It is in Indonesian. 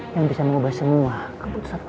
yang bisa mengubah semua keputusan